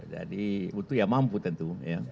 jadi itu yang mampu tentu